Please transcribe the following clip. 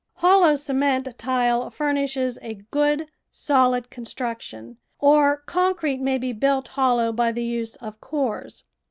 Hollow cement tile furnishes a good, solid construction, or concrete may be built hollow by the use of cores.